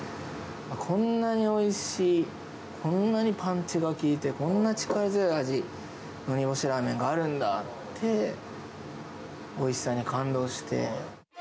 こんなにおいしい、こんなにパンチが効いて、こんなに力強い味の煮干しラーメンがあるんだって、おいしさに感動して。